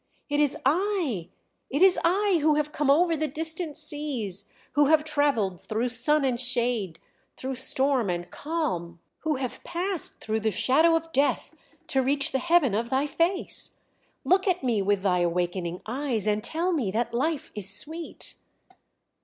"It is I, it is I, who have come over the distant seas, who have travelled through sun and shade, through storm and calm, who have passed through the Shadow of Death to reach the heaven of thy face; look at me with thy awakening eyes, and tell me that life is sweet."